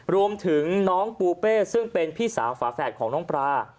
รวมถึงน้องปูเป้ซึ่งเป็นพี่สาวฝาแฝดของน้องปลา